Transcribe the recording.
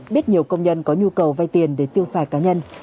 biết nhiều công nhân có nhu cầu vay tiền để tiêu xài cá nhân